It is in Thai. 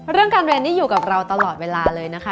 เรื่องการเรียนนี่อยู่กับเราตลอดเวลาเลยนะคะ